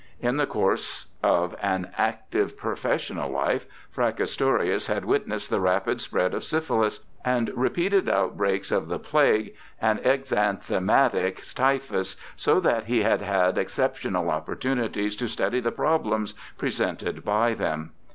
In the course of an active professional life, Fracastorius had witnessed the rapid spread of syphilis and repeated outbreaks of the plague and exanthematic typhus, so that he had had excep tional opportunities to study the problems presented by 284 BIOGRAPHICAL ESSAYS them.